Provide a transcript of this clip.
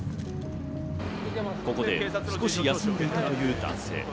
ここで少し休んでいたという男性。